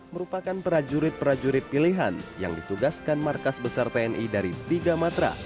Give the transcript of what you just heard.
merupakan prajurit prajurit pilihan yang ditugaskan markas besar tni dari tiga matra